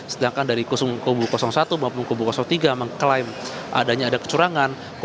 sedangkan dari kubu satu maupun kubu tiga mengklaim adanya ada kecurangan